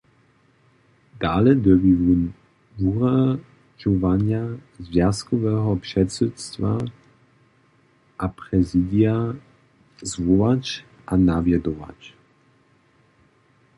Dale dyrbi wón wuradźowanja zwjazkoweho předsydstwa a prezidija zwołać a nawjedować.